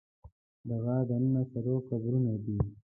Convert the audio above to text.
د غار دننه څلور قبرونه دي.